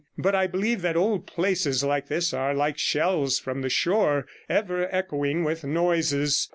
But I believe that old places like this are like shells from the shore, ever echoing with noises.